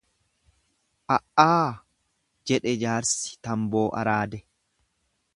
A'aa! jedhe jaarsi tanboo araade.